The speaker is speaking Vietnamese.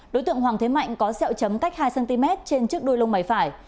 đối tượng hoàng thế mạnh có sẹo chấm cách hai cm trên trước đôi lông bài phải